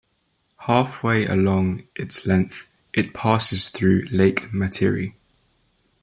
Halfway along its length, it passes through Lake Matiri.